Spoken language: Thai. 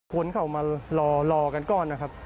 คนเขามารอกันก่อนนะครับ